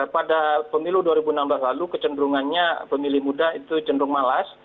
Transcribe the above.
pada pemilu dua ribu enam belas lalu kecenderungannya pemilih muda itu cenderung malas